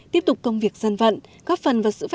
tiếp tục công việc dân vận góp phần vào sự phát